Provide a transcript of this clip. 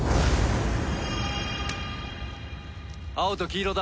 青と黄色だ。